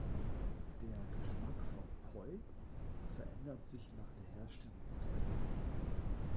Der Geschmack von Poi verändert sich nach der Herstellung deutlich.